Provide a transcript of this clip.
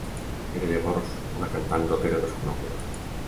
Era llavors una cantant d'òpera desconeguda.